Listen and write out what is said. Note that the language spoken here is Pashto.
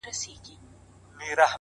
زما خو زړه دی زما ځان دی څه پردی نه دی;